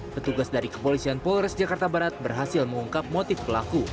petugas dari kepolisian polres jakarta barat berhasil mengungkap motif pelaku